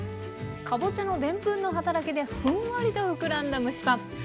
かぼちゃのでんぷんの働きでふんわりと膨らんだ蒸しパン。